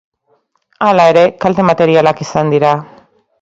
Hala ere, kalte materialak izan dira.